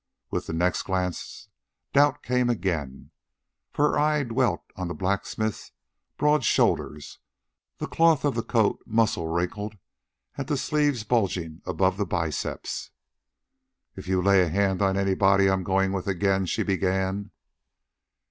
With the next glance doubt came again, for her eye dwelt on the blacksmith's broad shoulders, the cloth of the coat muscle wrinkled and the sleeves bulging above the biceps. "If you lay a hand on anybody I'm going with again " she began.